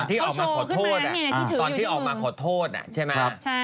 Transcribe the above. พี่พี่ตอนที่ออกมาขอโทษอ่ะใช่ไหม